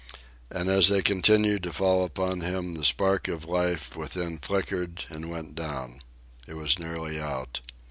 And as they continued to fall upon him, the spark of life within flickered and went down. It was nearly out.